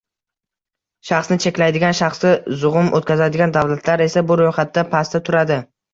Shaxsni cheklaydigan, shaxsga zug‘um o‘tkazadigan davlatlar esa bu ro‘yxatda pastda turadi.